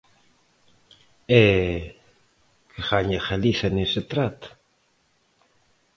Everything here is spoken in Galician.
E ¿que gaña Galiza nese trato?